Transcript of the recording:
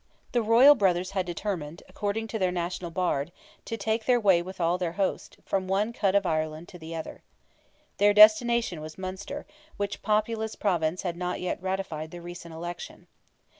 The royal brothers had determined, according to their national Bard, to take their way with all their host, from one end of Ireland to the other. Their destination was Munster, which populous province had not yet ratified the recent election.